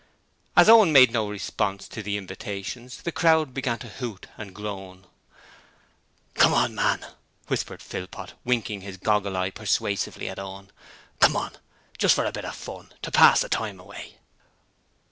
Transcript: As Owen made no response to the invitations, the crowd began to hoot and groan. 'Come on, man,' whispered Philpot, winking his goggle eye persuasively at Owen. 'Come on, just for a bit of turn, to pass the time away.'